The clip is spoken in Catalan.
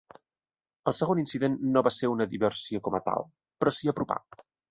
El segon incident no va ser una diversió com a tal, però s'hi apropà.